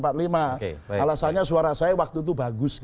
alasannya suara saya waktu itu bagus